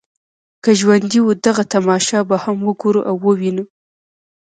که ژوندي وو دغه تماشه به هم وګورو او وینو.